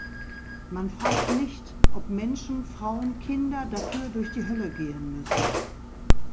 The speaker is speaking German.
Man fragt nicht, ob Menschen, Frauen, Kinder dafür durch die Hölle gehen müssen.